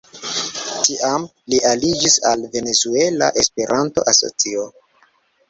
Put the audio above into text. Tiam li aliĝis al Venezuela Esperanto-Asocio.